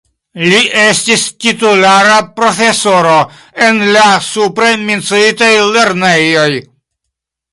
Li estis titulara profesoro en la supre menciitaj lernejoj.